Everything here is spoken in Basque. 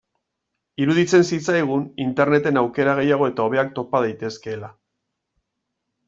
Iruditzen zitzaigun Interneten aukera gehiago eta hobeak topa daitezkeela.